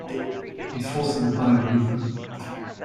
It falls to the Bug River.